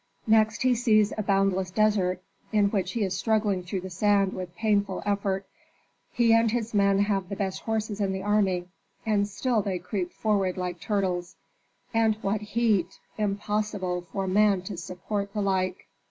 Next he sees a boundless desert, in which he is struggling through the sand with painful effort. He and his men have the best horses in the army, and still they creep forward like turtles. And what heat! Impossible for man to support the like.